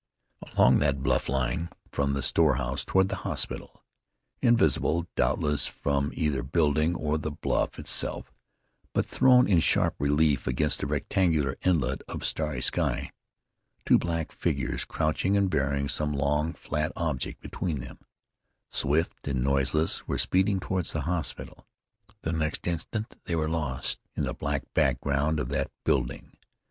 Along that bluff line, from the storehouse toward the hospital, invisible, doubtless, from either building or from the bluff itself, but thrown in sharp relief against that rectangular inlet of starry sky, two black figures, crouching and bearing some long, flat object between them, swift and noiseless were speeding toward the hospital. The next instant they were lost in the black background of that building.